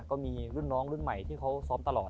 ก็มีรุ่นน้องรุ่นใหม่ที่เขาซ้อมตลอด